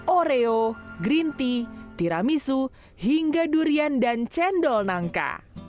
oreo green tea tiramisu hingga durian dan cendol nangka